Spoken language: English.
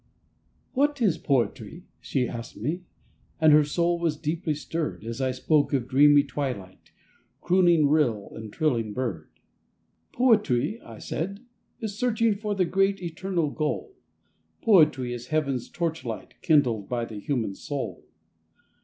"What is poetry?" she asked me, And her soul was deeply stirred, As I spoke of dreamy twilight, Crooning rill and trilling bird. "Poetry," I said, "is searching For the great eternal goal; Poetry is heaven's torch light Kindled by the human soul.